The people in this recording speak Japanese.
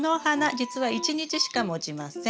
じつは１日しかもちません。